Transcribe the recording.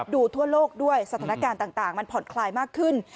ทั่วโลกด้วยสถานการณ์ต่างมันผ่อนคลายมากขึ้น